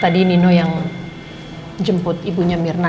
tadi nino yang jemput ibunya mirna